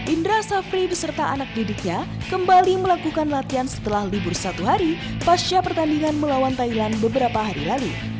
indra safri beserta anak didiknya kembali melakukan latihan setelah libur satu hari pasca pertandingan melawan thailand beberapa hari lalu